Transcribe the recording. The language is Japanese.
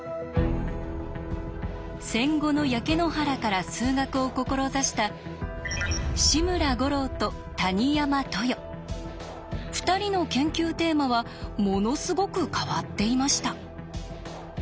戦後の焼け野原から数学を志した２人の研究テーマはものすごく変わっていました。